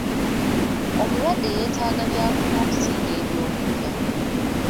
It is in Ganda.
Omulwadde yeetaaga byakunywa okusinga ebyokulya.